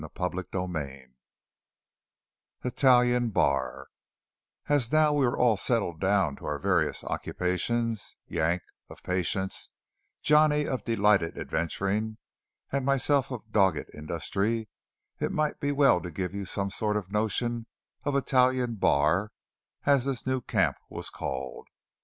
CHAPTER XXXII ITALIAN BAR As now we are all settled down to our various occupations, Yank of patience, Johnny of delighted adventuring, and myself of dogged industry, it might be well to give you some sort of a notion of Italian Bar, as this new camp was called.